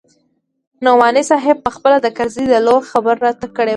نعماني صاحب پخپله د کرزي د لور خبره راته کړې وه.